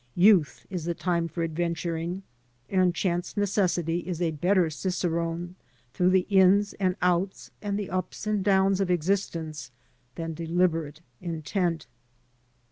Youth is the time for adventuring, and chance necessity is a better cicerone through the ins and outs and the ups and downs of existence than deliberate intent.